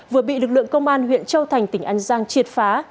vừa bị lực lượng công an huyện châu thành tỉnh an giang triệt phá